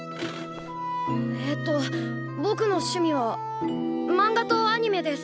えっとぼくの趣味はマンガとアニメです。